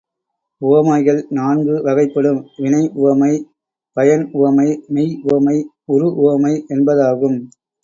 உவமைகள் நான்கு வகைப்படும் வினை உவமை, பயன் உவமை, மெய் உவமை, உரு உவமை என்பதாகும்.